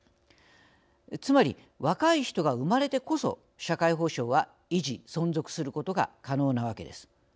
つまり若い人が産まれてこそ社会保障は維持・存続することが可能なわけです。